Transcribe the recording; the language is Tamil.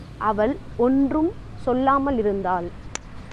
அவள் ஒன்றும் சொல்லாமலிருந்தாள்.